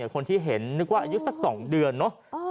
คนที่เห็นนึกว่ายุทธศสัก๒เดือนน่ะ